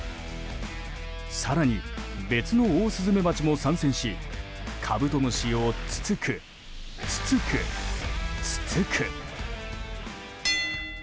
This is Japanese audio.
更に別のオオスズメバチも参戦しカブトムシをつつく、つつく、つつく。